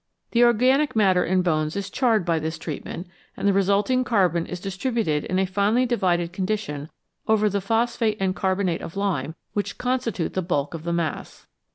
The organic matter in the bones is charred by this treatment, and the resulting carbon is distri buted in a finely divided condition over the phosphate and carbonate of lime which constitute the bulk of the mass.